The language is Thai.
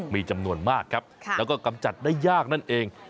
มีจำนวนมากครับแล้วก็กำจัดได้ยากนั่นเอง